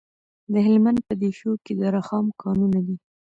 د هلمند په دیشو کې د رخام کانونه دي.